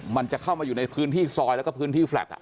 มันจะเข้ามาอยู่ในพื้นที่ซอยแล้วก็พื้นที่แฟลต